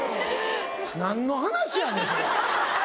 何の話やねんそれ！